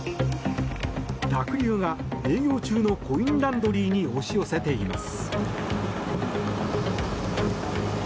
濁流が営業中のコインランドリーに押し寄せています。